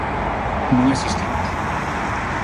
Non existimos.